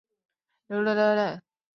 樊子鹄被加仪同三司。